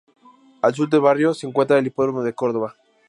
Al sur del barrio, se encuentra el Hipódromo de Córdoba.